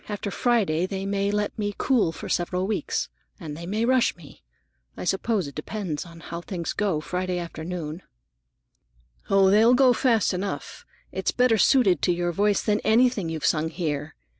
After Friday they may let me cool for several weeks, and they may rush me. I suppose it depends somewhat on how things go Friday afternoon." "Oh, they'll go fast enough! That's better suited to your voice than anything you've sung here.